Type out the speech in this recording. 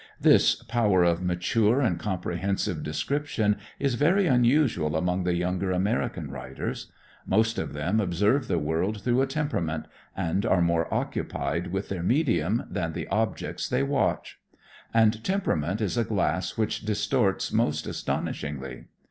This power of mature and comprehensive description is very unusual among the younger American writers. Most of them observe the world through a temperament, and are more occupied with their medium than the objects they watch. And temperament is a glass which distorts most astonishingly.